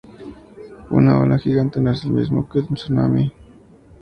Una ola gigante no es lo mismo que un tsunami.